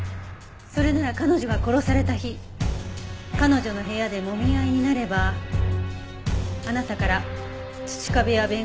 それなら彼女が殺された日彼女の部屋でもみ合いになればあなたから土壁やベンガラが移動した可能性も。